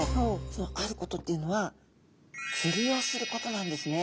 そのあることっていうのは釣りをすることなんですね。